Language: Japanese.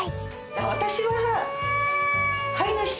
私は。